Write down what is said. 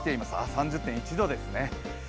３０．１度ですね。